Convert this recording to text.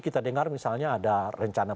kita dengar misalnya ada rencana